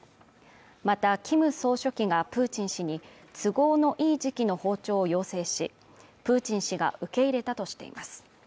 またキム総書記がプーチン氏に都合のいい時期の訪朝を要請しプーチン氏が受け入れたとしています